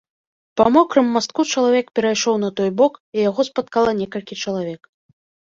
Па мокрым мастку чалавек перайшоў на той бок, і яго спаткала некалькі чалавек.